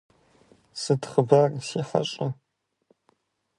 Сыт хъыбар, си хьэщӀэ?